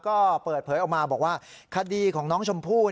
ก็เปิดเผยออกมาบอกว่าคดีของน้องชมพู่